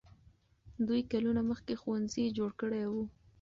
دوی کلونه مخکې ښوونځي جوړ کړي وو.